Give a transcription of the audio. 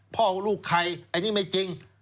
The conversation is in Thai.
ลูกใครอันนี้ไม่จริง